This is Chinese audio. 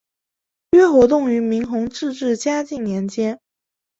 约活动于明弘治至嘉靖年间。